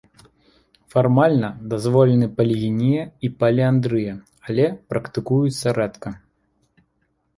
Фармальна дазволены палігінія і паліандрыя, але практыкуюцца рэдка.